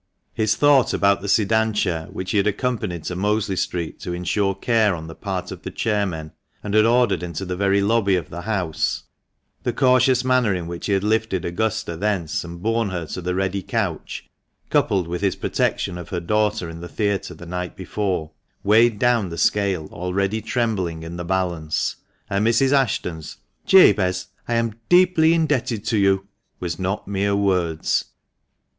" His thought about the sedan chair, which he had accompanied to Mosley Street to insure care on the part of the chair men, and had ordered into the very lobby of the house, the cautious manner in which he had lifted Augusta thence and borne her to the ready couch, coupled with his protection of her daughter in the theatre the night before, weighed down the scale already trembling in the balance, and Mrs. Ashton's " Jabez, I am deeply indebted to you," was not mere words.